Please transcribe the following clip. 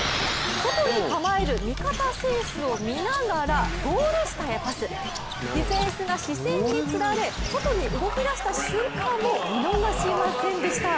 外に構える味方選手を見ながらゴール下へパス、ディフェンスが視線につられ外に動きだした瞬間を見逃しませんでした。